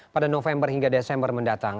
pada november hingga desember mendatang